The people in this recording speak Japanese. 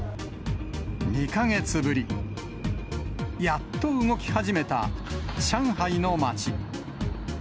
２か月ぶり、やっと動き始めた上海の街。